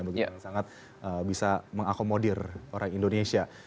begitu yang sangat bisa mengakomodir orang indonesia